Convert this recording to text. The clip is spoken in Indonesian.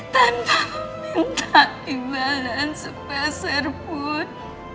tanpa meminta imbalan sebesar pun